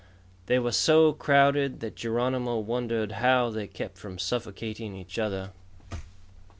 They were so crowded that Geronimo wondered how they kept from suffocating each other.